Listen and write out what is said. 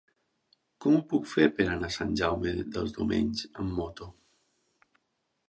Com ho puc fer per anar a Sant Jaume dels Domenys amb moto?